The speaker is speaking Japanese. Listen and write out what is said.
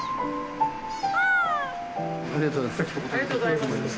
ありがとうございます。